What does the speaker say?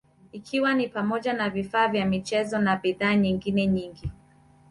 ikiwa ni pamoja na vifaa vya michezo na bidhaa nyengine nyingi